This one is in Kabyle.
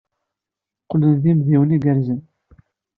Qqlen d imidiwen igerrzen.